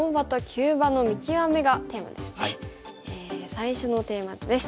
最初のテーマ図です。